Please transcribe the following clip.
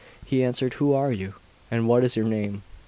He answered: "Who are you, and what is your name?"